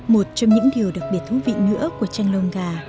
một trong những điều đặc biệt thú vị nữa của tranh lông gà